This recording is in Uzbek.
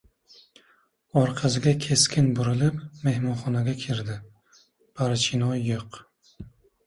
Orqasiga keskin burilib, mehmonxonaga kirdi. Barchinoy yo‘q.